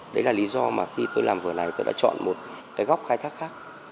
đấy là lý do mà khi tôi làm vừa này tôi đã chọn một cái góc khai thác khác